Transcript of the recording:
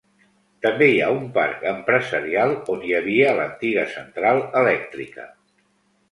També hi ha un parc empresarial on hi havia l'antiga central elèctrica.